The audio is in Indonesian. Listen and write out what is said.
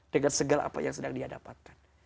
dengan segala apa yang sedang dia dapatkan